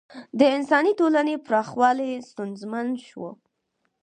د انساني ټولنې پراخوالی ستونزمن شو.